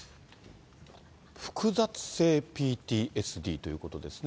複雑性ＰＴＳＤということですね。